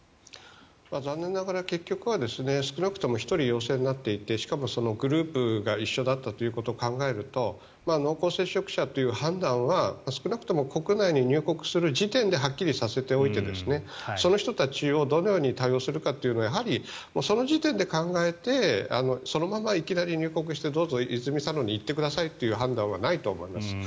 残念ながら結局は１人陽性になっていてしかもグループが一緒だったということを考えると濃厚接触者という判断は少なくとも国内に入国する時点ではっきりさせておいてその人たちをどのように対応するかをやはり、その時点で考えてそのままいきなり入国してどうぞ、泉佐野に行ってくださいという判断はないと思います。